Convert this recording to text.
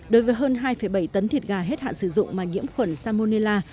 đối với hơn hai bảy tấn thịt gà hết hạn sử dụng mà nhiễm khuẩn salmonella